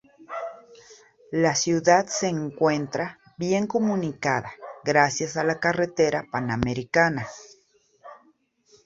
La ciudad se encuentra bien comunicada gracias a la carretera Panamericana.